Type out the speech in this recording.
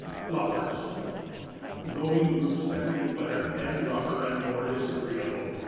[Sidenote: Flowers] The going grew steadily wetter and rougher and more disagreeable.